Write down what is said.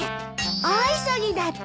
大急ぎだって。